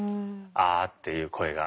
「あー」っていう声が。